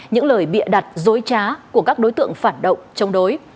những lời bịa đặt dối trá của các đối tượng phản động chống đối